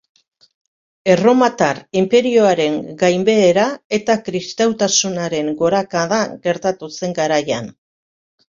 Erromatar inperioaren gainbehera eta kristautasunren gorakada gertatu zen garaian.